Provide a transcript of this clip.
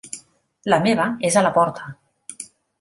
La meva és a la porta.